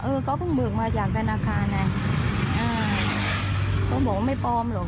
เขาเพิ่งเบิกมาจากธนาคารไงอ่าเขาบอกว่าไม่ปลอมหรอก